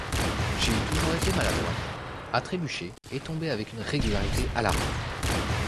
J'ai toujours été maladroite, à trébucher et tomber avec une régularité alarmante.